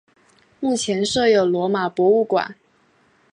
目前设有罗马博物馆。